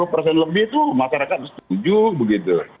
lima puluh persen lebih itu masyarakat setuju begitu